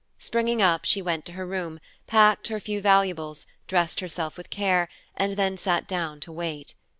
Springing up, she went to her room, packed her few valuables, dressed herself with care, and then sat down to wait.